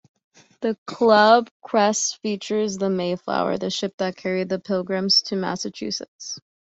The club crest features the "Mayflower", the ship that carried the pilgrims to Massachusetts.